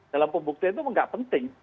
dalam pembuktian itu nggak penting